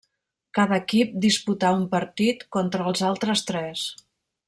Cada equip disputà un partit contra els altres tres.